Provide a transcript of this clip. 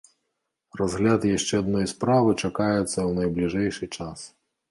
Разгляд яшчэ адной справы чакаецца ў найбліжэйшы час.